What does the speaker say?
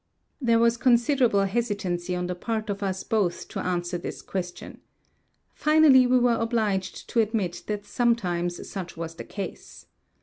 There was considerable hesitancy on the part of us both to answer this question. Finally we were obliged to admit that sometimes such was the case.